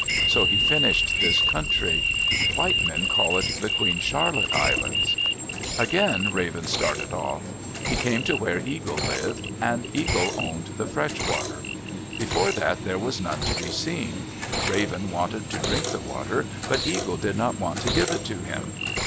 So he finished this country. White men call it the Queen Charlotte Islands. Again Raven started off. He came to where Eagle lived. And Eagle owned the fresh water. Before that there was none to be seen. Raven wanted to drink the water, but Eagle did not want to give it to him.